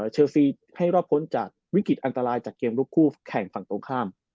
เชลซีให้รอดพ้นจากวิกฤตอันตรายจากเกมลุกคู่แข่งฝั่งตรงข้าม